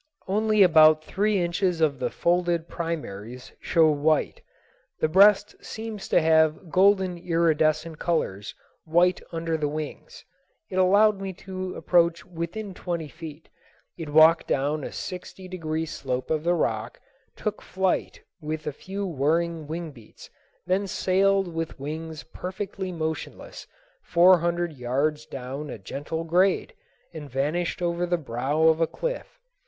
Only about three inches of the folded primaries show white. The breast seems to have golden iridescent colors, white under the wings. It allowed me to approach within twenty feet. It walked down a sixty degree slope of the rock, took flight with a few whirring wing beats, then sailed with wings perfectly motionless four hundred yards down a gentle grade, and vanished over the brow of a cliff.